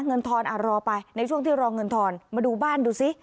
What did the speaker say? ทอนรอไปในช่วงที่รอเงินทอนมาดูบ้านดูสิ